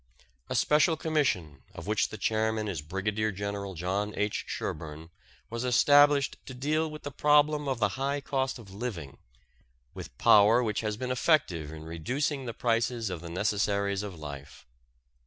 A special commission of which the chairman is Brigadier General John H. Sherburne was established to deal with the problem of the high cost of living with power which has been effective in reducing the prices of the necessaries of life.